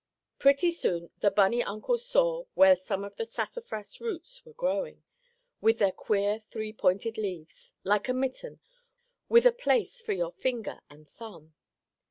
Pretty soon the bunny uncle saw where some of the sassafras roots were growing, with their queer three pointed leaves, like a mitten, with a place for your finger and thumb.